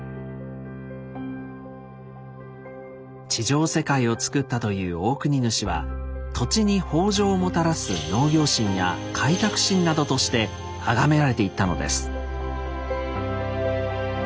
地上世界をつくったというオオクニヌシは土地に豊穣をもたらす農業神や開拓神などとしてあがめられていったのです。